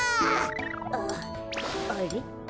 あっあれ？